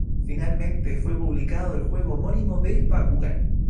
Finalmente fue publicado el juego homónimo de Bakugan.